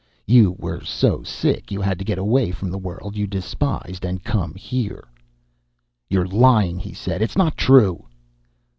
You were so sick you had to get away from the world you despised and come here." "You're lying," he said. "It's not true!"